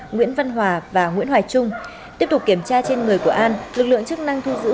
nguyễn văn hòa và nguyễn hoài trung tiếp tục kiểm tra trên người của an lực lượng chức năng thu giữ